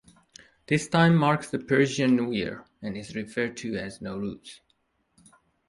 This time marks the Persian New Year, and is referred to as Nowruz.